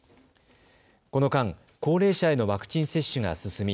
この間、高齢者へのワクチン接種が進み